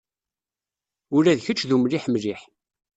Ula d kečč d umliḥ mliḥ.